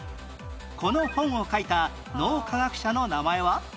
この本を書いた脳科学者の名前は？